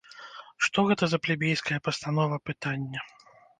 Што гэта за плебейская пастанова пытання?!